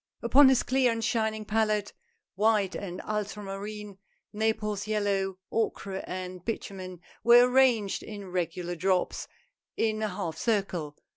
Upon his clear and shining palette, white and ultramarine, Naples yellow, ochre, and bitumen were arranged in regular drops, in a half circle.